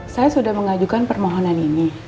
saya sudah mengajukan permohonan ini